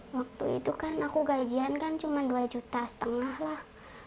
waktu itu kan aku gajian kan cuma dua juta setengah lah